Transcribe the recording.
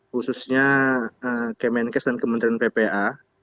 khususnya kemenkes dan kementerian ppa